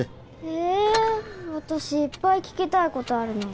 え私いっぱい聞きたいことあるのに。